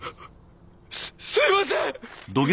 すすいません！